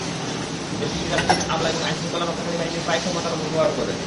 দেশটির রাজনীতিবিদ, আমলা এবং আইনশৃঙ্খলা রক্ষাকারী বাহিনী প্রায়ই ক্ষমতার অপব্যবহার করে।